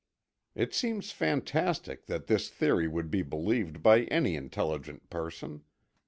It seems fantastic that this theory would be believed by any intelligent person.